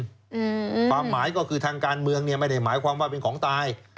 อืมความหมายก็คือทางการเมืองเนี่ยไม่ได้หมายความว่าเป็นของตาย